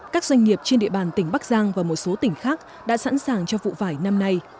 các doanh nghiệp trên địa bàn tỉnh bắc giang và một số tỉnh khác đã sẵn sàng cho vụ vải năm nay